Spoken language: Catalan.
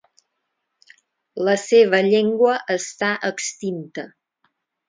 La seva llengua està extinta.